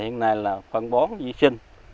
hiện nay là phân bón di sinh